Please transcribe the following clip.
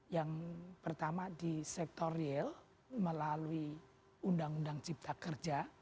yang pertama di sektor real melalui undang undang cipta kerja